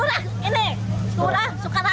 lurah ini lurah sukarame